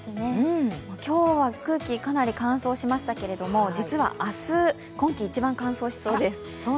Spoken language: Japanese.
今日は空気がかなり乾燥しましたけれども、実は明日、今季一番乾燥しそうです。